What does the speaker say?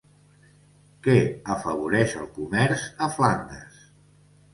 Què afavoreix el comerç a Flandes?